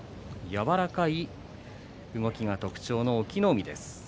柔らかい動きが特徴の隠岐の海。